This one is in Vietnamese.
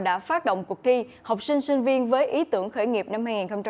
đã phát động cuộc thi học sinh sinh viên với ý tưởng khởi nghiệp năm hai nghìn hai mươi